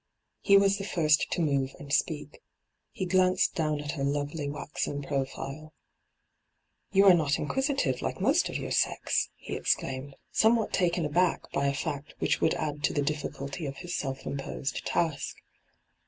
He was the first to move and speak. He glanced down at her lovely waxen profile, * You are not inquisitive, like most of your sex r he exclaimed, somewhat taken aback by D,oti ertbyGOOglC 200 ENTRAPPED a fact which woald add to the difficulty of his self imposed task.